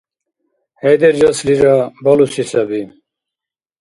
Хӏедержаслира, балуси саби.